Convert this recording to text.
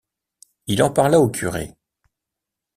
Il en parla au curé.